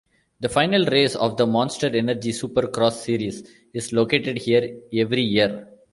The final race of the Monster Energy Supercross series is located here every year.